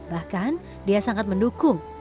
bahkan dea sangat mendukung